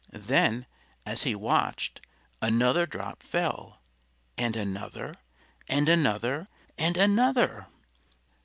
Then, as he watched, another drop fell; and another and another and another.